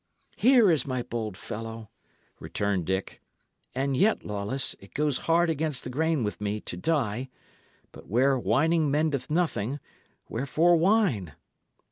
"Here is my bold fellow!" returned Dick. "And yet, Lawless, it goes hard against the grain with me to die; but where whining mendeth nothing, wherefore whine?"